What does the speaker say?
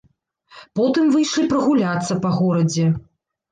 Потым выйшлі прагуляцца па горадзе.